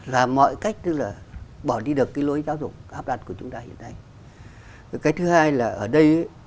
làm mọi cách tức là bỏ đi được cái lối giáo dục áp đặt của chúng ta hiện nay cái thứ hai là ở đây